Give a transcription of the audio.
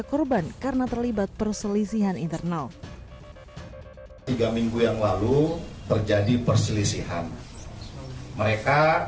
korban karena terlibat perselisihan internal tiga minggu yang lalu terjadi perselisihan mereka